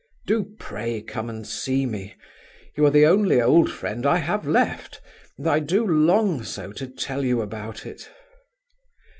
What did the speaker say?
Do pray come and see me! You are the only old friend I have left, and I do long so to tell you about it.